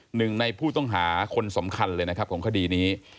หนึ่งในผู้ต้องหาคนสำคัญเลยนะครับของคดีนี้